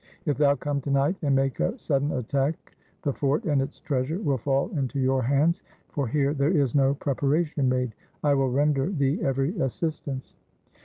If thou come to night and make a sudden attack, the fort and its treasure will fall into your hands, for here there is no preparation made. I will render thee every assistance.'